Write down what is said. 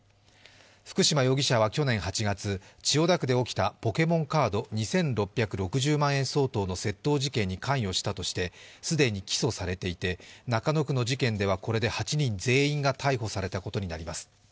福嶋容疑者は去年８月、千代田区で起きたポケモンカード２６６０万円相当の窃盗事件に関与したとして既に起訴されていて、中野区の事件ではこれで８人全員が逮捕されたことになります。